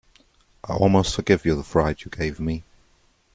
I almost forgive you the fright you gave me!